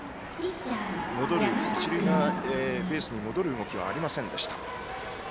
一塁側ベースに戻る動きはありませんでした。